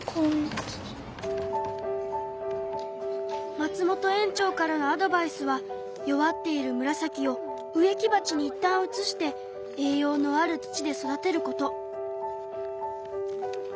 松本園長からのアドバイスは弱っているムラサキを植木鉢にいったん移して栄養のある土で育てること。